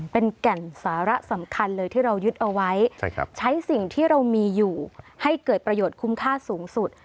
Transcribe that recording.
เป็นแก่นสาระสำคัญเลยที่เรายึดเอาไว้ใช้สิ่งที่เรามีอยู่ให้เกิดประโยชน์คุ้มค่าสูงสุด